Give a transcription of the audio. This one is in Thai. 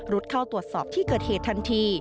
เข้าตรวจสอบที่เกิดเหตุทันที